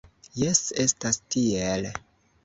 Jes, estas tiel.